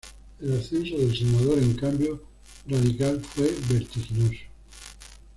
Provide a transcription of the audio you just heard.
El ascenso del senador en Cambio Radical fue vertiginoso.